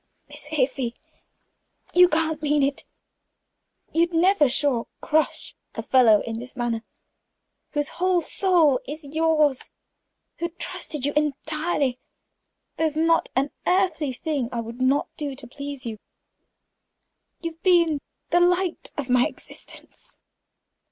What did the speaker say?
"Miss Afy, you can't mean it! You'd never, sure, crush a fellow in this manner, whose whole soul is yours; who trusted you entirely? There's not an earthly thing I would not do to please you. You have been the light of my existence."